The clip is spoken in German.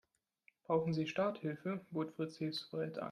Brauchen Sie Starthilfe?, bot Fritz hilfsbereit an.